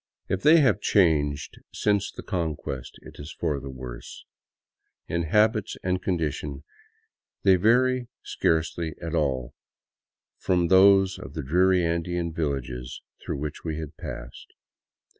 If they have changed since the Conquest, it is for the worse. In habits and condition they vary scarcely at all from those of the dreary Andean villages through which we had passed.